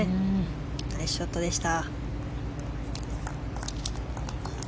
ナイスショットでした。